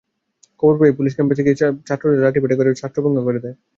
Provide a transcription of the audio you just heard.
খবর পেয়ে পুলিশ ক্যাম্পাসে গিয়ে ছাত্রদের লাঠিপেটা করে ছত্রভঙ্গ করে দেয়।